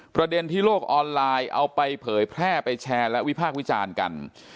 ประเด็นที่โลกออนไลน์เอาไปเผยแพร่ไปแชร์และวิพากษ์วิจารณ์กัน